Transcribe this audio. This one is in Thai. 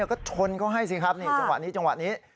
ก็ชนเขาให้สิครับจังหวะนี้